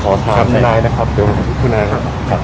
ขอถามเช่นนั้นนะครับคุณครับ